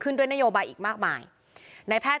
คุณวราวุฒิศิลปะอาชาหัวหน้าภักดิ์ชาติไทยพัฒนา